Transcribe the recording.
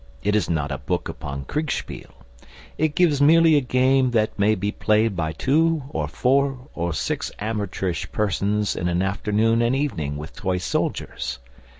It is not a book upon Kriegspiel. It gives merely a game that may be played by two or four or six amateurish persons in an afternoon and evening with toy soldiers.